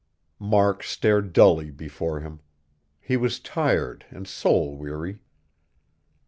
Mark stared dully before him. He was tired and soul weary.